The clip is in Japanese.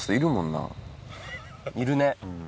いるね。